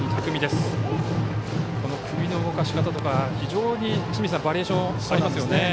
首の動かしかたとか非常にバリエーションありますね。